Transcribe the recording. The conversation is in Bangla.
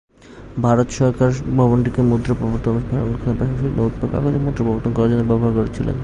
ভারত সরকার ভবনটিকে মুদ্রা প্রবর্তন ও সংরক্ষণের পাশাপাশি, নোট বা কাগজের মুদ্রা প্রবর্তন করার জন্যও ব্যবহার করেছিল।